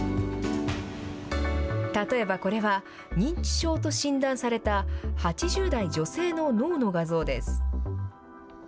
例えばこれは、認知症と診断された８０代女性の脳の画像です。